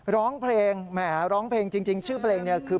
ร้องเพลงจริงชื่อเพลงนี่คือ